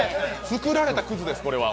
作られたくずです、これは。